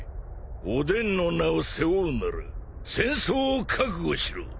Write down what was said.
おでんの名を背負うなら戦争を覚悟しろ。